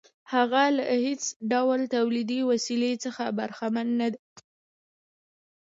هغه له هېڅ ډول تولیدي وسیلې څخه برخمن نه دی